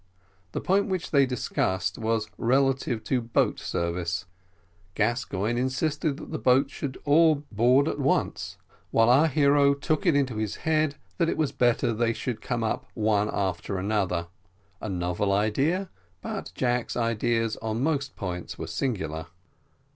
The point which they discussed was relative to boat service; Gascoigne insisted that the boats should all board at once while our hero took it into his head that it was better they should come up one after another; a novel idea, but Jack's ideas on most points were singular.